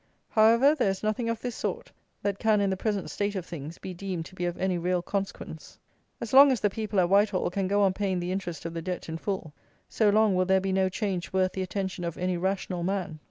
However, there is nothing of this sort, that can in the present state of things, be deemed to be of any real consequence. As long as the people at Whitehall can go on paying the interest of the Debt in full, so long will there be no change worth the attention of any rational man.